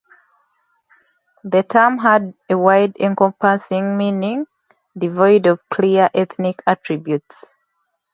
The term had a wide-encompassing meaning, devoid of clear ethnic attributes.